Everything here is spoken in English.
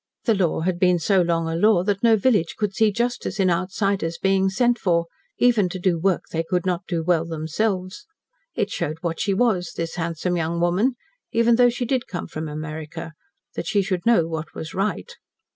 The law had been so long a law that no village could see justice in outsiders being sent for, even to do work they could not do well themselves. It showed what she was, this handsome young woman even though she did come from America that she should know what was right.